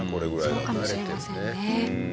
そうかもしれませんね。